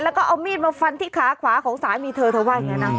แล้วก็เอามีดมาฟันที่ขาขวาของสามีเธอเธอว่าอย่างนี้นะ